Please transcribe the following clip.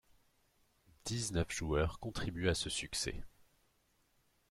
Dix-neuf joueurs contribuent à ce succès.